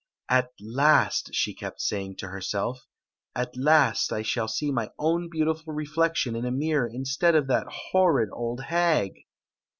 "At last!" she kept saying to herself "At last I shall see my own beautiful reflection in a mirror mstead of that horrid old hag!"